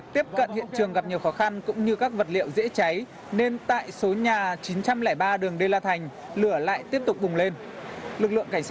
quê quán kiến sương thái bình